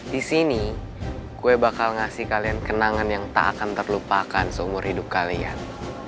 di sini gue bakal ngasih kalian kenangan yang tak akan terlupakan seumur hidup kalian